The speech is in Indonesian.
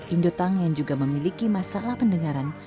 indotang yang juga memiliki masalah pendengaran